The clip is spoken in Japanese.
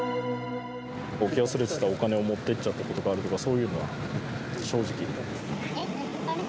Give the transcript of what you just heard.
起き忘れてたお金を持って行っちゃったことがあるとか、そういうのは？